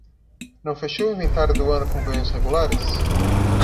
Não fechou o inventário do ano com ganhos regulares?